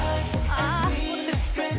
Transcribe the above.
ああ！